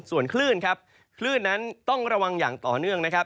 ส่วนคลื่นครับคลื่นนั้นต้องระวังอย่างต่อเนื่องนะครับ